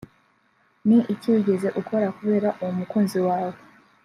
ni iki wigeze ukora kubera uwo mukunzi wawe